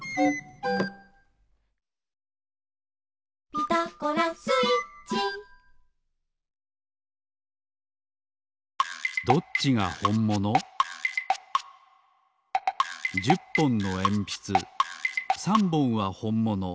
「ピタゴラスイッチ」１０ぽんのえんぴつ３ぼんはほんもの